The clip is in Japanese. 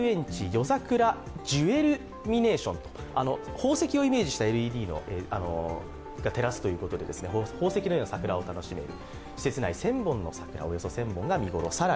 宝石をイメージしたＬＥＤが照らすということで、宝石のような桜を楽しめる。